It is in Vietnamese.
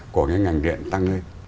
của cái ngành điện tăng lên